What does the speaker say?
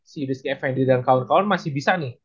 si rizky effendi dan kawan kawan masih bisa nih